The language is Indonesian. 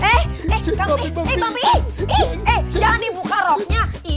eh bang pi eh jangan dibuka roknya